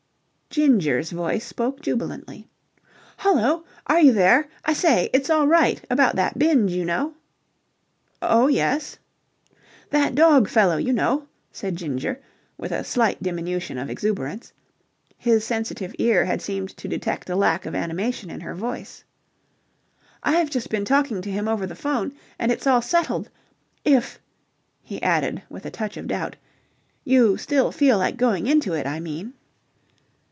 Ginger's voice spoke jubilantly. "Hullo. Are you there? I say, it's all right, about that binge, you know." "Oh, yes?" "That dog fellow, you know," said Ginger, with a slight diminution of exuberance. His sensitive ear had seemed to detect a lack of animation in her voice. "I've just been talking to him over the 'phone, and it's all settled. If," he added, with a touch of doubt, "you still feel like going into it, I mean."